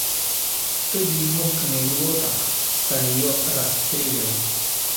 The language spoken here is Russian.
Стодюймовками глоток старье расстреливай!